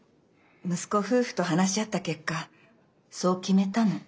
息子夫婦と話し合った結果そう決めたの。